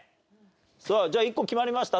さあじゃあ１個決まりました？